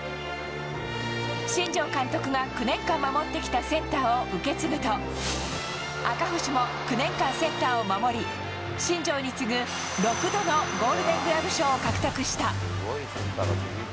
新庄監督が９年間守ってきたセンターを受け継ぐと赤星も９年間センターを守り新庄に次ぐ６度のゴールデングラブ賞を獲得した。